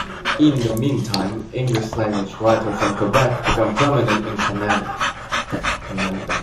In the meantime, English-language writers from Quebec became prominent in Canada.